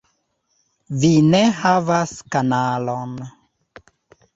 - Vi ne havas kanalon